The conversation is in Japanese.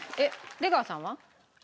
出川さんは？